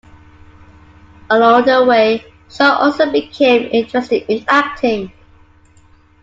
Along the way, Shaw also became interested in acting.